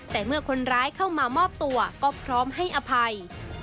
แต่เมื่อคนร้ายเข้ามามอบตัวก็พร้อมให้อภัย